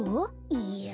いや。